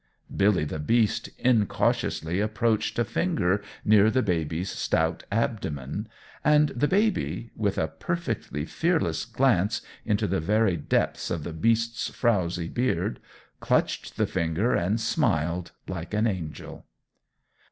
Billy the Beast incautiously approached a finger near the baby's stout abdomen; and the baby with a perfectly fearless glance into the very depths of the Beast's frowzy beard clutched the finger and smiled like an angel.